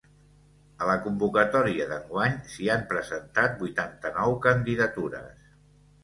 A la convocatòria d’enguany s’hi han presentat vuitanta-nou candidatures.